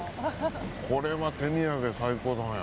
これは手土産、最高だね。